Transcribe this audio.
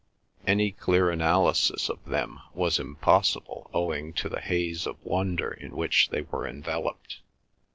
Any clear analysis of them was impossible owing to the haze of wonder in which they were enveloped.